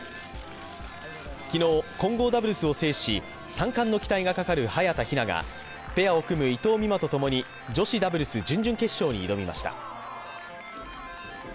昨日、混合ダブルスを制し３冠の期待がかかる早田ひながペアを組む伊藤美誠とともに女子ダブルス準々決勝に挑みました。